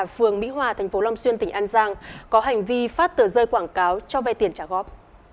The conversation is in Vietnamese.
phường mỹ hòa thành phố long xuyên tỉnh an giang có hành vi phát tờ rơi quảng cáo cho vay tiền trả góp